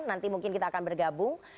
nanti mungkin kita akan bergabung